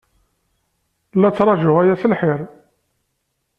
La ttṛajuɣ aya s lḥir.